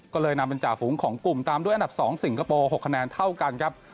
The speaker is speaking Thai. ก็เลยนำเป็นจ่าฝูงของกลุ่มตามด้วยอันดับ๒สิงคโปร์๖คะแนนเท่ากันครับ